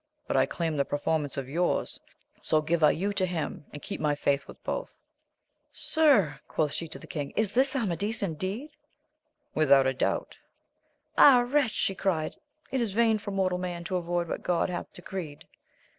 but I claim the performance of your*s ; so give I you to him, and keep my faith with both. Sir, quoth she, to the king, is this Amadis indeed 1 With out doubt. Ah wretch, she cried, it is vain for mortal man to avoid what God hath decreed